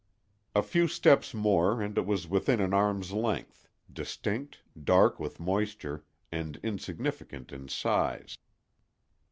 A few steps more, and it was within an arm's length, distinct, dark with moisture, and insignificant in size.